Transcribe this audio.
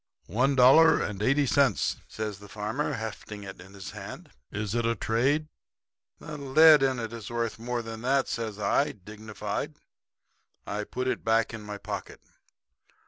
"'One dollar and eighty cents,' says the farmer hefting it in his hand. 'Is it a trade?' "'The lead in it is worth more than that,' says I, dignified. I put it back in my pocket.